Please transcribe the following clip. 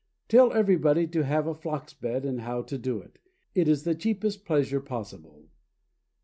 Tell everybody to have a Phlox bed and how to do it. It is the cheapest pleasure possible."